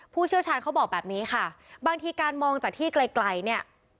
เชี่ยวชาญเขาบอกแบบนี้ค่ะบางทีการมองจากที่ไกลไกลเนี่ย